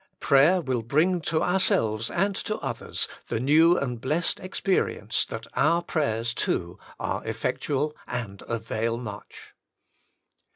Prayer will bring to ourselves and to others the new and blessed experience, that our prayers too are effectual and avail much.